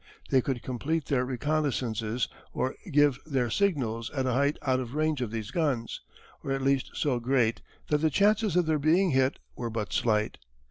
They could complete their reconnaissances or give their signals at a height out of range of these guns, or at least so great that the chances of their being hit were but slight.